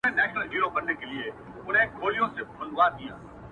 یو په یو یې ور حساب کړله ظلمونه.!